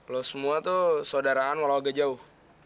lo semua tuh sodaraan walau agak jauh